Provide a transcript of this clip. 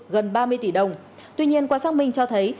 gần ba mươi tỷ đồng tuy nhiên qua xác minh cho thấy